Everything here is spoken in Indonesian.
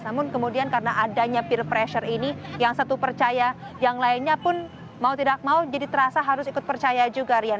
namun kemudian karena adanya peer pressure ini yang satu percaya yang lainnya pun mau tidak mau jadi terasa harus ikut percaya juga rian